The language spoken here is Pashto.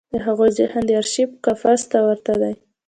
د هغوی ذهن د ارشیف قفس ته ورته دی.